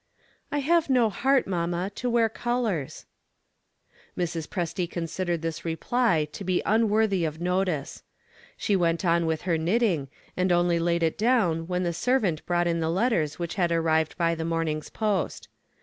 "I have no heart, mamma, to wear colors." Mrs. Presty considered this reply to be unworthy of notice. She went on with her knitting, and only laid it down when the servant brought in the letters which had arrived by the morning's post.